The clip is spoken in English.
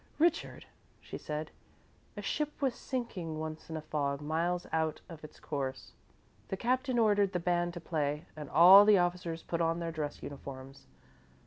"Richard," she said, "a ship was sinking once in a fog, miles out of its course. The captain ordered the band to play and all the officers put on their dress uniforms.